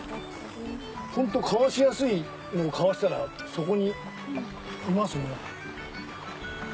ホントかわしやすいのをかわしたらそこにいますね。